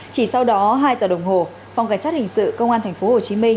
chỉ sau đó hai giờ đồng hồ phòng cảnh sát hình sự công an tp hcm